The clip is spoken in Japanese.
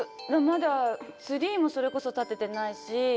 まだツリーもそれこそ立ててないし。